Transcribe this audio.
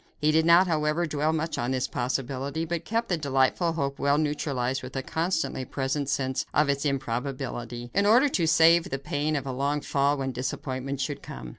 He did not, however, dwell much on this possibility, but kept the delightful hope well neutralized with a constantly present sense of its improbability, in order to save the pain of a long fall when disappointment should come.